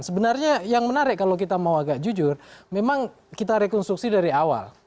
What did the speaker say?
sebenarnya yang menarik kalau kita mau agak jujur memang kita rekonstruksi dari awal